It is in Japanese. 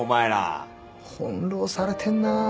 翻弄されてんなぁ。